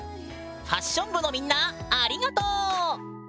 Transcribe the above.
ファッション部のみんなありがとう！